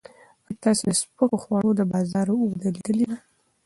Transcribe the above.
ایا تاسو د سپکو خوړو د بازار وده لیدلې ده؟